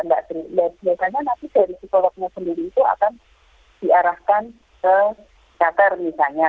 dan biasanya nanti dari psikolognya sendiri itu akan diarahkan ke kater misalnya